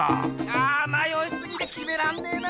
あまよいすぎてきめらんねえな！